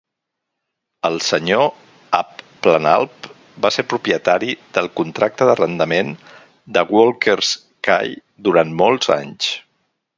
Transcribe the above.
El Sr. Abplanalp va ser propietari del contracte d'arrendament de Walker 's Cay durant molts anys.